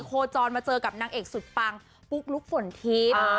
โคจรมาเจอกับนางเอกสุดปังปุ๊กลุ๊กฝนทิพย์